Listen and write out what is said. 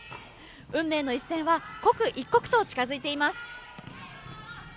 運命の一戦は刻一刻と近づいています。